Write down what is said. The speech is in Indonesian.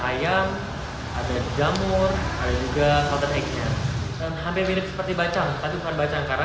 ayam ada jamur ada juga kaldehnya dan hampir mirip seperti bacang tapi bukan bacang karena